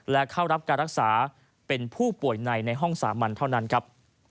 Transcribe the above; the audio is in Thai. และเข้ารับการรักษาเป็นผู้ป่วยในในห้องสามัญเท่านั้นครับ